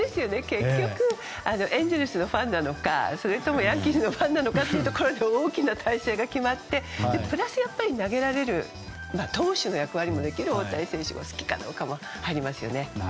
結局エンゼルスのファンなのかそれともヤンキースのファンかで大きな大勢が決まってそれプラス投手の役割をできる大谷選手が好きかどうかも入りますよね。